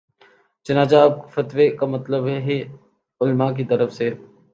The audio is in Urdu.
چنانچہ اب فتوے کا مطلب ہی علما کی طرف سے